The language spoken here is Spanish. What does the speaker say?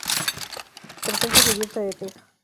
Presenta cubierta de teja.